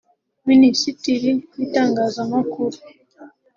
Minisitiri w’Itangazamakuru